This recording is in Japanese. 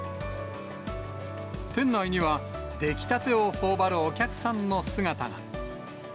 店内には出来たてをほおばるお客さんの姿が。